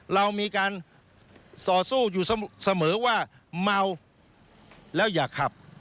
เรามีการต่อสู้อยู่เสมอว่าเมาแล้วอย่าขับ